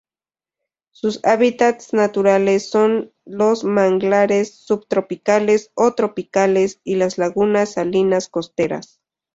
Sus hábitats naturales son los manglares subtropicales o tropicales y las lagunas salinas costeras.